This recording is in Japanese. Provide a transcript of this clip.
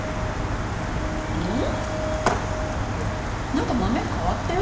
なんか豆変わったよ